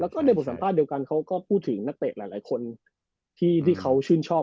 แล้วก็ในบทสัมภาษณ์เดียวกันเขาก็พูดถึงนักเตะหลายคนที่เขาชื่นชอบ